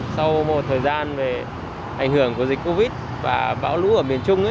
sau một thời gian về ảnh hưởng của dịch covid và bão lũ ở miền trung